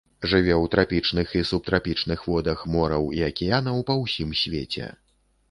Жыве ў трапічных і субтрапічных водах мораў і акіянаў па ўсім свеце.